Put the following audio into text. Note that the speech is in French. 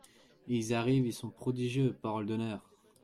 Et ils arrivent ; ils sont prodigieux, parole d’honneur !